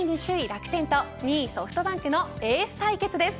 楽天と２位ソフトバンクのエース対決です。